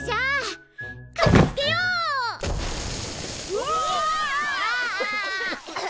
うわ！